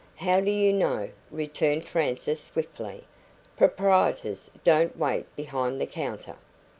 "How do you know?" returned Frances swiftly. "Proprietors don't wait behind the counter."